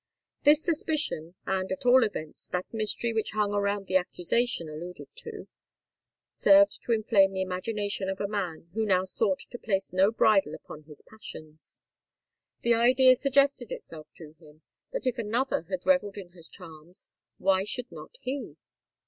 This suspicion—and, at all events, that mystery which hung around the accusation alluded to, served to inflame the imagination of a man who now sought to place no bridle upon his passions. The idea suggested itself to him, that if another had revelled in her charms, why should not he?